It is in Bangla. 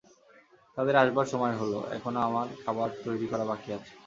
তাদের আসবার সময় হল– এখনো আমার খাবার তৈরি করা বাকি আছে।